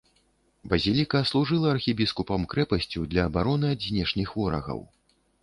Базіліка служыла архібіскупам крэпасцю для абароны ад знешніх ворагаў.